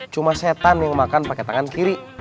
cuma setan yang makan pakai tangan kiri